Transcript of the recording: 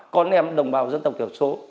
con em đồng bào dân tộc thiểu số